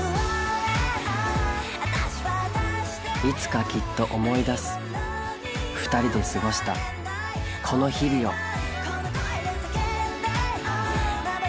いつかきっと思い出す２人で過ごしたこの日々を。